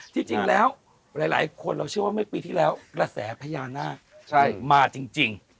ที่จริงแล้วหลายคนเราเชื่อว่าเมื่อปีที่แล้วกระแสพญานาคมาจริง